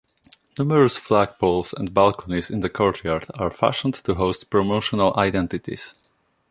Numerous flag poles and balconies in the courtyard are fashioned to host promotional identities.